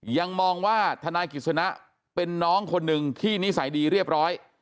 ยังมองว่าธนายกิจสนะเป็นน้องคนหนึ่งที่นิสัยดีเรียบร้อย